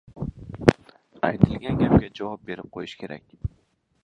Aytilgan gapga javob berib qo‘yish kerak.